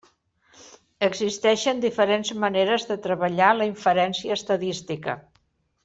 Existeixen diferents maneres de treballar la inferència estadística.